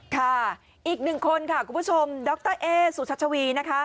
ค่ะอีกหนึ่งคนค่ะคุณผู้ชมดรเอ๊สุชัชวีนะคะ